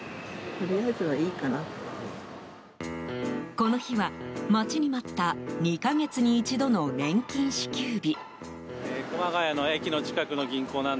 この日は、待ちに待った２か月に一度の年金支給日。